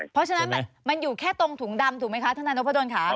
เพราะฉะนั้นมันอยู่แค่ตรงถุงดำถูกไหมคะธนายนพดลค่ะ